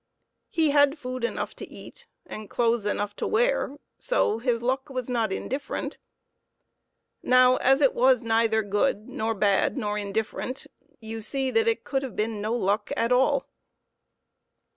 He had food enough to eat, and clothes enough to wear, so his luck was not indifferent. Now, as it was neither good, bad, nor indifferent, you see that it could have been no luck at all.